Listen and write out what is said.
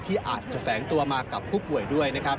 ที่อาจจะแฝงตัวมากับผู้ป่วยด้วยนะครับ